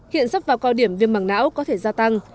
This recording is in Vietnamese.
hiện sắp vào cao điểm viêm mảng não có thể gia tăng